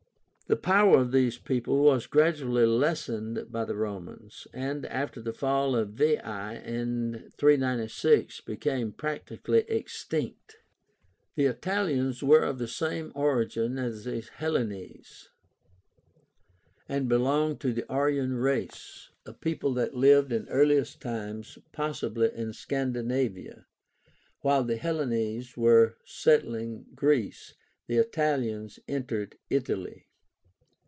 The power of these people was gradually lessened by the Romans, and after the fall of Veii, in 396, became practically extinct. The ITALIANS were of the same origin as the Hellénes, and belonged to the Aryan race, a people that lived in earliest times possibly in Scandinavia. While the Hellénes were settling in Greece, the Italians entered Italy.